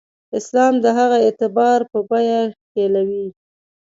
اسلام د هغه اعتبار په بیه ښکېلوي.